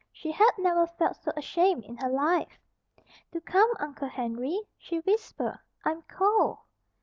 She had never felt so ashamed in her life. "Do come, Uncle Henry," she whispered. "I'm cold."